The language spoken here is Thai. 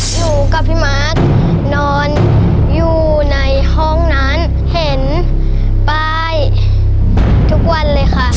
หนูกับพี่มาร์คนอนอยู่ในห้องนั้นเห็นป้ายทุกวันเลยค่ะ